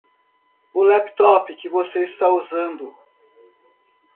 O laptop que você está usando